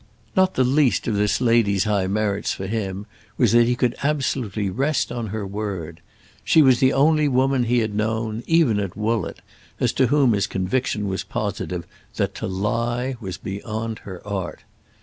Not the least of this lady's high merits for him was that he could absolutely rest on her word. She was the only woman he had known, even at Woollett, as to whom his conviction was positive that to lie was beyond her art.